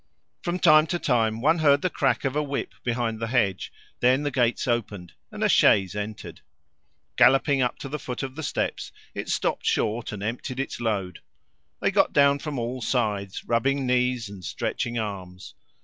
From time to time one heard the crack of a whip behind the hedge; then the gates opened, a chaise entered. Galloping up to the foot of the steps, it stopped short and emptied its load. They got down from all sides, rubbing knees and stretching arms.